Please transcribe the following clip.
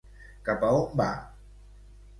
Cap a on va?